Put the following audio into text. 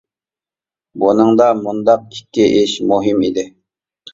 بۇنىڭدا مۇنداق ئىككى ئىش مۇھىم ئىدى.